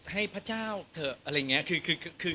ให้พระเจ้าเถอะอะไรอย่างนี้